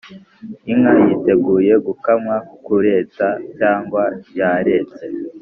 Inka yiteguye gukamwa, Kureta cyangwa yarese